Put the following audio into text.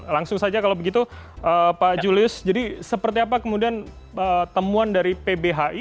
langsung saja kalau begitu pak julius jadi seperti apa kemudian temuan dari pbhi